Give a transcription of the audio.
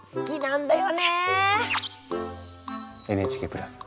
ＮＨＫプラス